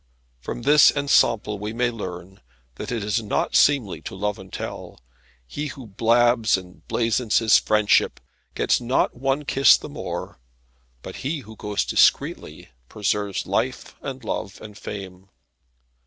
From this ensample we may learn that it is not seemly to love, and tell. He who blabs and blazons his friendship gets not one kiss the more; but he who goes discreetly preserves life and love and fame.